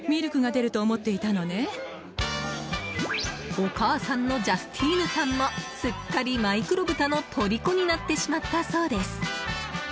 お母さんのジャスティーヌさんもすっかりマイクロブタのとりこになってしまったそうです。